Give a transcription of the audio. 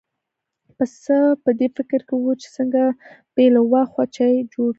پسه په دې فکر کې و چې څنګه بې له واښو چای جوړ کړي.